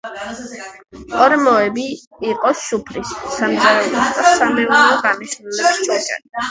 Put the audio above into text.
ორმოებში იყო სუფრის, სამზარეულო და სამეურნეო დანიშნულების ჭურჭელი.